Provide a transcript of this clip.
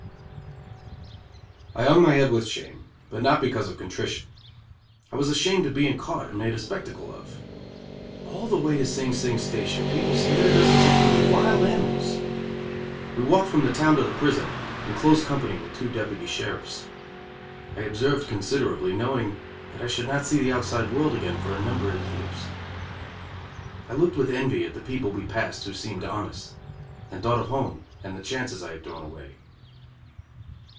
_ I hung my head with shame, but not because of contrition. I was ashamed of being caught and made a spectacle of. All the way to Sing Sing station people stared at us as if we were wild animals. We walked from the town to the prison, in close company with two deputy sheriffs. I observed considerably, knowing that I should not see the outside world again for a number of years. I looked with envy at the people we passed who seemed honest, and thought of home and the chances I had thrown away.